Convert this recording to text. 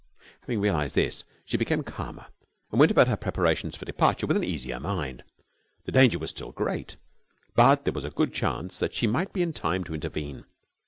Having realised this, she became calmer and went about her preparations for departure with an easier mind. The danger was still great, but there was a good chance that she might be in time to intervene.